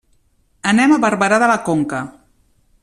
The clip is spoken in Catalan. Anem a Barberà de la Conca.